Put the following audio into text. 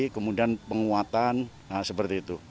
kemudian penguatan nah seperti itu